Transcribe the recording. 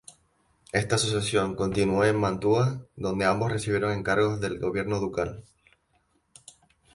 Esta asociación continuó en Mantua, donde ambos recibieron encargos del gobierno Ducal.